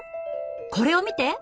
これを見て！